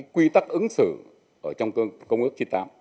quy tắc ứng xử ở trong công ước chín mươi tám